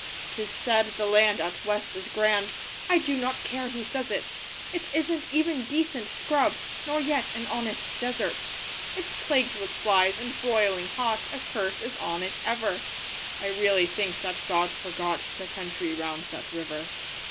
'Tis said the land out West is grand I do not care who says it It isn't even decent scrub, Nor yet an honest desert; It's plagued with flies, and broiling hot, A curse is on it ever; I really think that God forgot The country round that river.